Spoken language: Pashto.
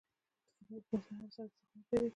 د فورمول په واسطه هم د سرک ضخامت پیدا کیږي